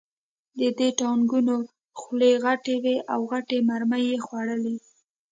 د دې ټانکونو خولې غټې وې او غټې مرمۍ یې خوړلې